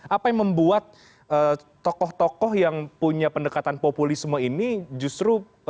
apa yang membuat tokoh tokoh yang punya pendekatan populisme ini justru